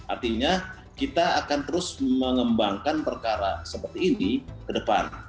artinya kita akan terus mengembangkan perkara seperti ini ke depan